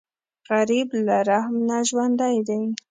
غریب له رحم نه ژوندی دی